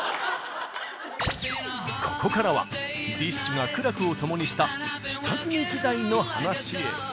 ここからはＤＩＳＨ／／が苦楽をともにした下積み時代の話へ。